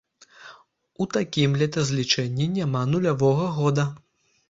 У такім летазлічэнні няма нулявога года.